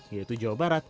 yaitu jawa barat